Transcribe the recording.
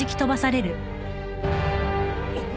あっ！